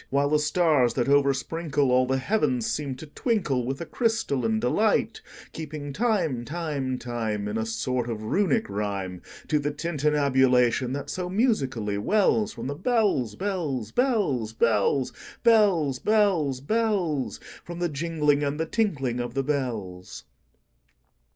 While the stars, that oversprinkleAll the heavens, seem to twinkleWith a crystalline delight; Keeping time, time, time, In a sort of Runic rhyme, To the tintinnabulation that so musically wellsFrom the bells, bells, bells, bells, Bells, bells, bells—From the jingling and the tinkling of the bells.